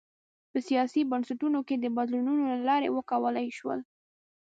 په سیاسي بنسټونو کې د بدلونونو له لارې وکولای شول.